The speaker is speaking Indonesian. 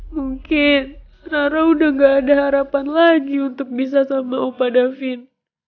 mungkin nara udah gak ada harapan lagi untuk bisa sama opa davin